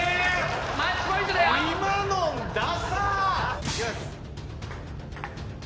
今のダサッ！